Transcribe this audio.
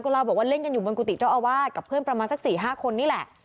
เล่าบอกว่าเล่นกันอยู่บนกุฏิเจ้าอาวาสกับเพื่อนประมาณสัก๔๕คนนี่แหละ